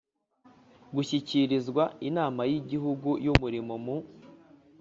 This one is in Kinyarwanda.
Gishyikirizwa inama y igihugu y umurimo mu